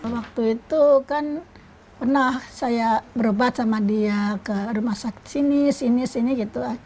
waktu itu kan pernah saya berobat sama dia ke rumah sakit sini sini sini sini gitu